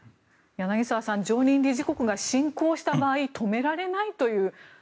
柳澤さん常任理事国が侵攻した場合止められないという。